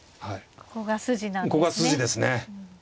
ここが筋ですね。